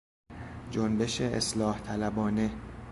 جنبش اصلاح طلبانه